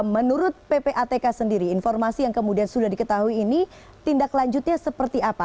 menurut ppatk sendiri informasi yang kemudian sudah diketahui ini tindak lanjutnya seperti apa